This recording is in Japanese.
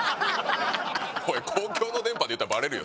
公共の電波で言ったらバレるよ